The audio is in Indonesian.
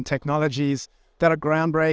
dan teknologi yang luar biasa